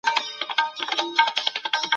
بېلابېل بنسټونه په ټولنه کي زور نه لري.